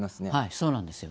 そうなんですよ。